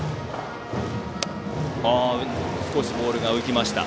少しボールが浮きました。